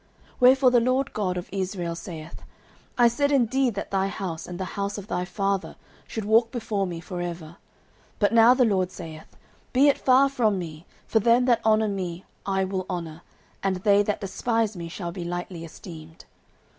09:002:030 Wherefore the LORD God of Israel saith, I said indeed that thy house, and the house of thy father, should walk before me for ever: but now the LORD saith, Be it far from me; for them that honour me I will honour, and they that despise me shall be lightly esteemed.